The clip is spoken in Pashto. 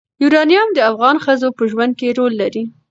یورانیم د افغان ښځو په ژوند کې رول لري.